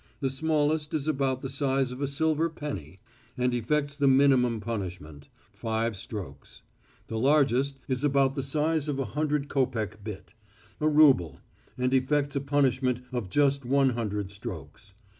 The smallest is about the size of a silver penny, and effects the minimum punishment five strokes. The largest is about the size of a hundred copeck bit a rouble and effects a punishment of just one hundred strokes.